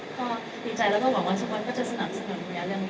ก็กลิ่นใจแล้วก็หวังว่าทุกคนก็จะสนับสนุนเมรียเรื่องนี้